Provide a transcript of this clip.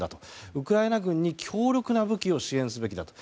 ウクライナ軍に強力な武器を支援すべきだと。